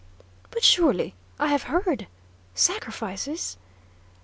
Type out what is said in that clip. "But, surely I have heard sacrifices?"